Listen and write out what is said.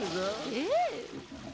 ええ。